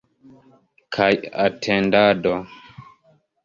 Kaj atendado.